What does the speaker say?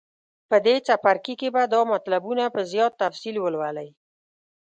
په دې څپرکي کې به دا مطلبونه په زیات تفصیل ولولئ.